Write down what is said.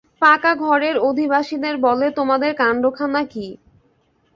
পাকা ঘরের অধিবাসীদের বলে, তোমাদের কান্ডখানা কী!